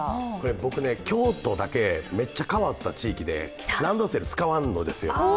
僕ね、京都だけめっちゃ変わった地域でランドセル使わんのですよ。